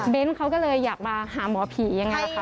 เบ้นท์เขาก็เลยอยากมาหาหมอผียังไงนะคะ